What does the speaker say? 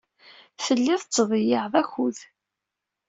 Telliḍ tettḍeyyiɛeḍ akud.